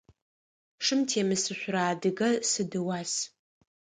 Шым темысышъурэ адыгэ сыд ыуас?